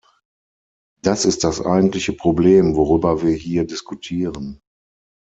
Das ist das eigentliche Problem, worüber wir hier diskutieren.